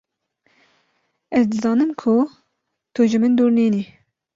Ez dizanim ku tu ji min dûr nîn î